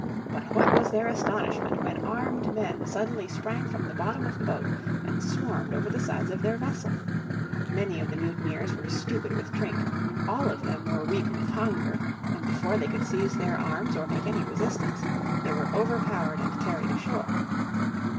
But what was their astonishment when armed men suddenly sprang from the bottom of the boat and swarmed over the sides of their vessel. Many of the mutineers were stupid with drink, all of them were weak with hunger, and before they could seize their arms, or make any resistance, they were overpowered and carried ashore.